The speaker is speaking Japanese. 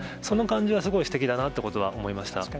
その感じはすごいすてきだなってことは思いました。